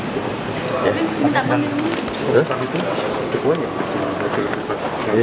itu suatu yang harus dilakukan